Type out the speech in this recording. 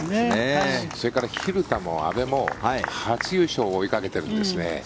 それから蛭田も阿部も初優勝を追いかけてるんですね。